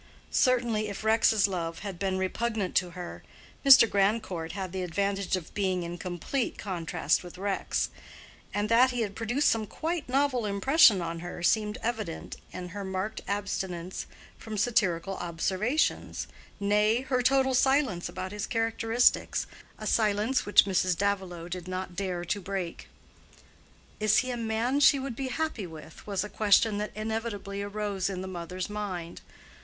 Certainly if Rex's love had been repugnant to her, Mr. Grandcourt had the advantage of being in complete contrast with Rex; and that he had produced some quite novel impression on her seemed evident in her marked abstinence from satirical observations, nay, her total silence about his characteristics, a silence which Mrs. Davilow did not dare to break. "Is he a man she would be happy with?"—was a question that inevitably arose in the mother's mind.